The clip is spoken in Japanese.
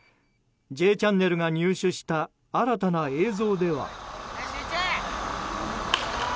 「Ｊチャンネル」が入手した新たな映像では。